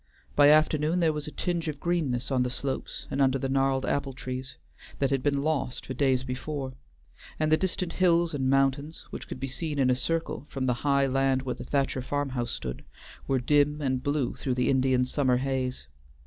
By afternoon there was a tinge of greenness on the slopes and under the gnarled apple trees, that had been lost for days before, and the distant hills and mountains, which could be seen in a circle from the high land where the Thacher farmhouse stood, were dim and blue through the Indian summer haze.